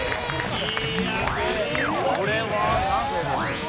これはなぜでしょうね？